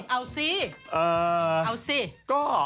เอาซิอะไรนะครับ